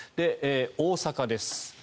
大阪です。